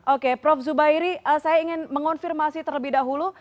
oke prof zubairi saya ingin mengonfirmasi terlebih dahulu